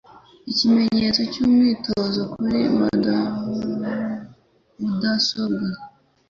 Ikimenyetso cy'umwitozo kuri mudasobwa